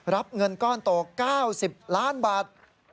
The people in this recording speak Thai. รับเงินก้อนโต๙๐ล้านบาท